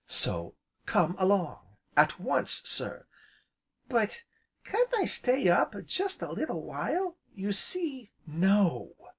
So come along at once, sir!" "But, can't I stay up jest a little while? You see " "No!"